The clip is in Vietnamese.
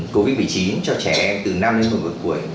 covid một mươi chín cho trẻ em từ năm đến một mươi một tuổi